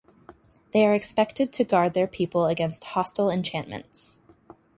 They are expected to guard their people against hostile enchantments.